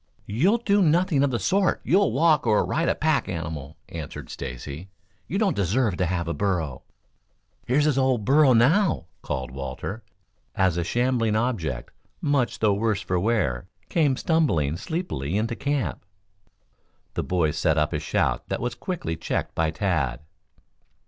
"You'll do nothing of the sort. You'll walk, or ride a pack animal," answered Stacy. "You don't deserve to have a burro." "Here's his old burro now," called Walter, as a shambling object, much the worse for wear, came stumbling sleepily into camp. The boys set up a shout that was quickly checked by Tad.